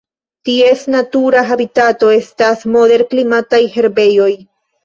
Ties natura habitato estas moderklimataj herbejoj.